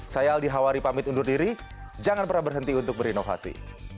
saya aldi hawari pamit undur diri jangan pernah berhenti untuk berinovasi